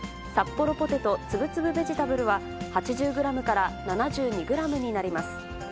サッポロポテトつぶつぶベジタブルは、８０グラムから７２グラムになります。